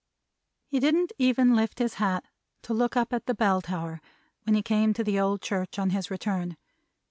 He didn't even lift his hat to look up at the Bell tower when he came to the old church on his return.